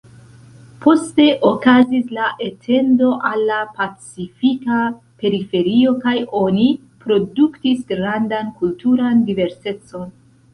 Poste okazis la etendo al la pacifika periferio kaj oni produktis grandan kulturan diversecon.